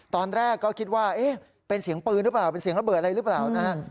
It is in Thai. ตอนแรกก็คิดว่าเอ๊ะเป็นเสียงปืนหรือเปล่าเป็นเสียงระเบิดอะไรหรือเปล่านะฮะ